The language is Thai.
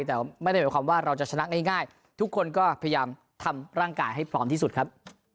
แต่ไม่ได้หมายความว่าเราจะชนะง่ายทุกคนก็พยายามทำร่างกายให้พร้อมที่สุดครับ